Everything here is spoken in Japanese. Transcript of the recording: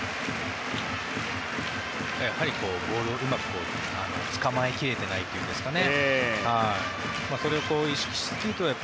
やはりボールをうまくつかまえきれてないっていうんですかね。